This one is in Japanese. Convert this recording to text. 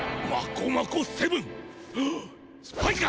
スパイか？